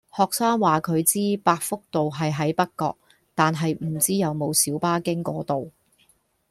學生話佢知百福道係喺北角，但係唔知有冇小巴經嗰度